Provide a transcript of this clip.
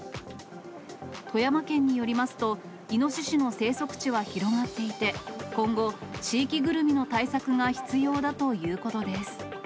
富山県によりますと、イノシシの生息地は広がっていて、今後、地域ぐるみの対策が必要だということです。